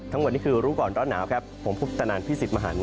ทั้งหมดนี้คือรู้ก่อนร้อนหนาวครับผมพุทธนันพี่สิทธิ์มหัน